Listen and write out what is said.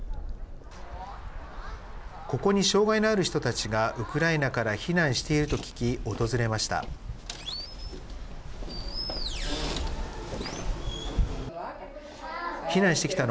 ここに障害のある人たちがウクライナから避難していると聞き訪れました。